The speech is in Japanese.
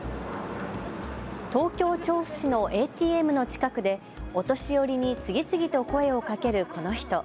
東京・調布市のＡＴＭの近くでお年寄りに次々と声をかけるこの人。